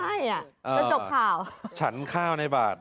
ไม่อ่ะจะจบข่าว